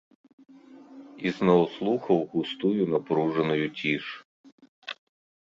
Ізноў слухаў густую напружаную ціш.